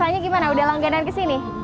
rasanya gimana udah langganan kesini